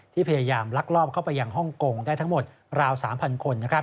พยายามลักลอบเข้าไปยังฮ่องกงได้ทั้งหมดราว๓๐๐คน